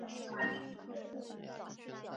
超级碗最有价值球员。